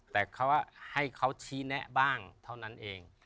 แต่เขาให้เขาชี้แนะบ้างเท่านั้นเอง